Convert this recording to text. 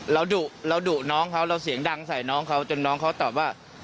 เราดุเราดุน้องเขาเราเสียงดังใส่น้องเขาจนน้องเขาตอบว่า